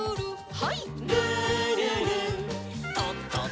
はい。